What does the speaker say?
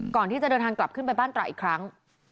ก่อนที่จะเดินทางกลับขึ้นไปบ้านตระอีกครั้ง